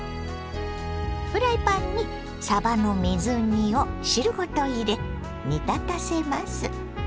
フライパンにさばの水煮を汁ごと入れ煮立たせます。